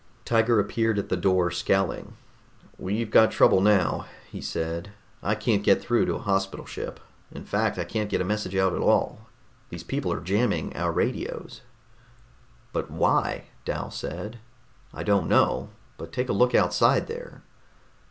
Tiger appeared at the door, scowling. "We've got real trouble, now," he said. "I can't get through to a hospital ship. In fact, I can't get a message out at all. These people are jamming our radios." "But why?" Dal said. "I don't know, but take a look outside there."